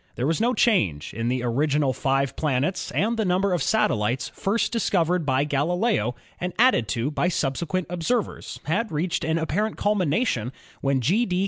There was no change in the original five planets and the number of satellites first discovered by Galileo and added to by subsequent observers had reached an apparent culmination when G. D.